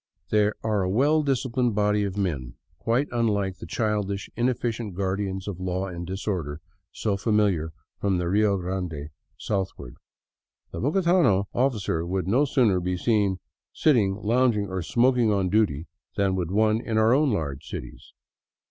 They are a well disciplined body of men, quite unlike the childish, inefficient guardians of law and dis order so famihar from the Rio Grande southward. The bogotano officer would no sooner be seen sitting, lounging, or smoking on duty than would one in our own large cities.